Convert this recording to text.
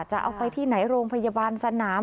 จะเอาไปที่ไหนโรงพยาบาลสนาม